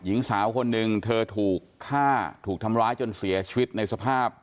หญิงสาวคนหนึ่งเธอถูกฆ่าถูกทำร้ายจนเสียชีวิตในสภาพ